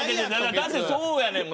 だってそうやねんもん。